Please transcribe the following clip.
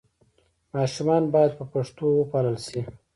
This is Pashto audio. ماشومان باید په پښتو وپالل سي.